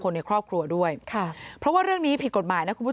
ในครอบครัวด้วยค่ะเพราะว่าเรื่องนี้ผิดกฎหมายนะคุณผู้ชม